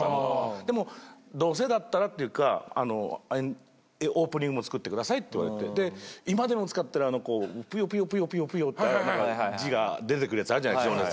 でもどうせだったらっていうかオープニングも作ってくださいって言われてで今でも使ってるぷよぷよぷよぷよって出てくるやつあるじゃない。